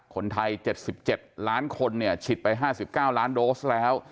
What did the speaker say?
คนไทย๗๗ล้านคนเนี่ยฉีดไป๕๙ล้านโดสแล้ว